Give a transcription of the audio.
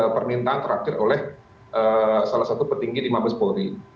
permintaan terakhir oleh salah satu petinggi di mabes polri